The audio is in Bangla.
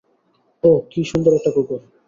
ওহ, কি সুন্দর একটা কুকুর!